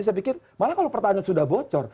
saya pikir malah kalau pertanyaan sudah bocor